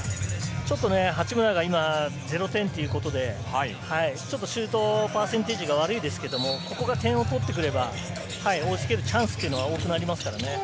ちょっと八村が今０点ということで、ちょっとシュートパーセンテージが悪いですけど、ここが点を取ってくれば、追いつけるチャンスは多くなります。